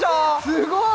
すごーい！